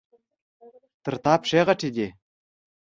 د تا پښې غټي دي